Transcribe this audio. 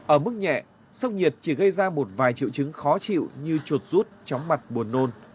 ở mức nhẹ sốc nhiệt chỉ gây ra một vài triệu chứng khó chịu như chuột rút chóng mặt buồn nôn